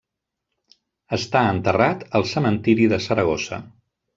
Està enterrat al cementiri de Saragossa.